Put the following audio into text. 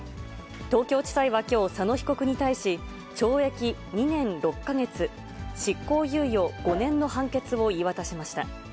東京地裁はきょう、佐野被告に対し、懲役２年６か月、執行猶予５年の判決を言い渡しました。